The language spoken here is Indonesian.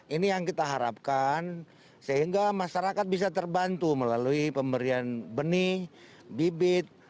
ini yang kita harapkan sehingga masyarakat bisa terbantu melalui pemberian benih bibit